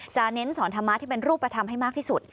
เน้นสอนธรรมะที่เป็นรูปธรรมให้มากที่สุด